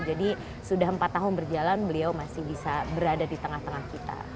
jadi sudah empat tahun berjalan beliau masih bisa berada di tengah tengah kita